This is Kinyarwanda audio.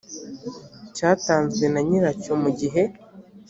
cyatanzwe na nyiracyo mu gihe